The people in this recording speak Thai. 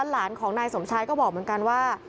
หลานของนายสมชายก็บอกเหมือนกันว่า